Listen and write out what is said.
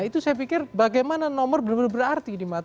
itu saya pikir bagaimana nomor benar benar berarti di mata